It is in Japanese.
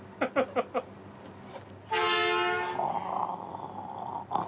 はあ。